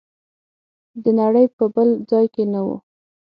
د نړۍ په بل ځای کې نه و.